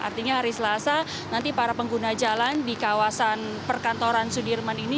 artinya hari selasa nanti para pengguna jalan di kawasan perkantoran sudirman ini